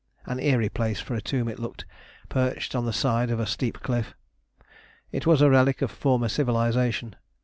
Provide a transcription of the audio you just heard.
An eerie place for a tomb it looked, perched on the side of a steep cliff. It was a relic of a former civilisation.